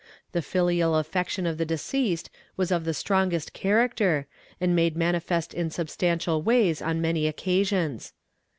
The filial affection of the deceased was of the strongest character, and made manifest in substantial ways on many occasions.